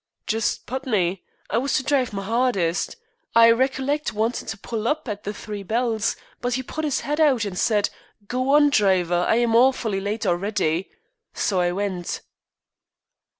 "Just Putney. I was to drive my 'ardest. I recollect wantin' to pull up at the Three Bells, but 'e put 'is 'ead out an' said, 'Go on, driver. I am awfully late already.' So on I went."